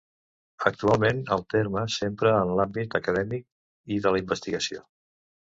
Actualment, el terme s'empra en l'àmbit acadèmic i de la investigació.